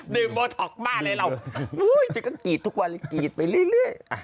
ดื่มโรท็อกบ้าเลยเราฉันก็กีดทุกวันกีดไปเรื่อย